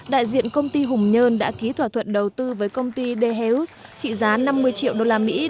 đại diện công ty hùng nhơn đã ký thỏa thuận đầu tư với công ty deheus trị giá năm mươi triệu đô la mỹ